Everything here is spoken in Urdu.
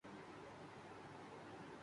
Cleveland Ohio گارینڈ Texas